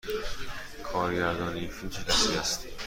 کارگردان این فیلم چه کسی است؟